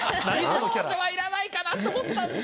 「少女」は要らないかなと思ったんすよね。